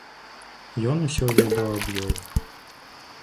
Ён усё ведаў аб ёй.